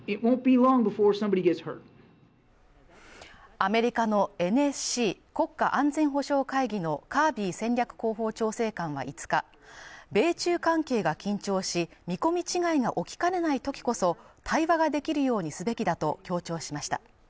アメリカのＮＳＣ＝国家安全保障会議のカービー戦略広報調整官は５日米中関係が緊張し、見込み違いが起きかねないときこそ、対話ができるようにすべきだと強調しました。